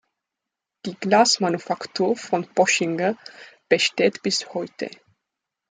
Die Glasmanufaktur von Poschinger besteht bis heute.